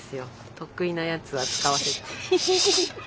得意なやつは使わせ。